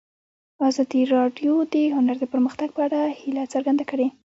ازادي راډیو د هنر د پرمختګ په اړه هیله څرګنده کړې.